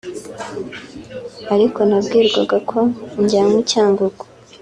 ariko nabwirwaga ko njyanywe i Cyangugu